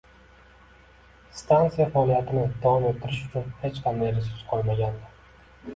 Stansiya faoliyatini davom ettirish uchun hech qanday resurs qolmagandi.